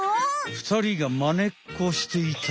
ふたりがまねっこしていたのは。